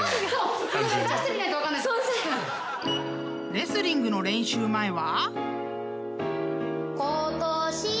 ［レスリングの練習前は］